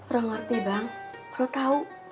lo ngerti bang lo tau